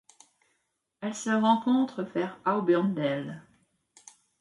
Elle se rencontre vers Auburndale.